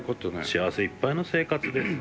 「幸せいっぱいの生活です。